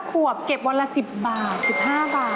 ขวบเก็บวันละ๑๐บาท๑๕บาท